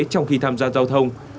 trong khi tham gia giao thông